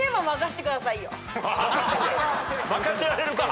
任せられるか！